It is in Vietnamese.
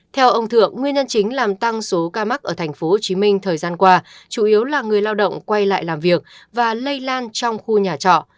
theo ông thượng nguyên nhân chính làm tăng số ca mắc ở tp hcm thời gian qua chủ yếu là người lao động quay lại làm việc và lây lan trong khu nhà trọ